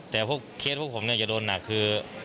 แต่เคสพวกผมเนี่ยจะโดนหนักคือ